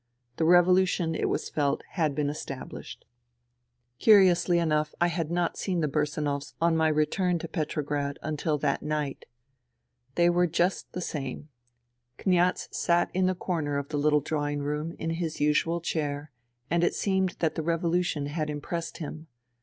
The revolu tion, it was felt, had been estabhshed. Curiously enough I had not seen the Bursanovs on my return to Petrograd until that night. They were just the same. Kniaz sat in the corner of the 00 FUTILITY little drawing room in his usual chair, and it seemed that the revolution had impressed him.